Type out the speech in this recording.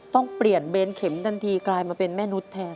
ต้องเปลี่ยนเบนเข็มทันทีกลายมาเป็นแม่นุษย์แทน